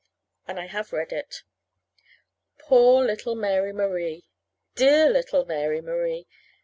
And I have read it. Poor little Mary Marie! Dear little Mary Marie!